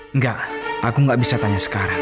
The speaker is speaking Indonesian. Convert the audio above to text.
enggak aku nggak bisa tanya sekarang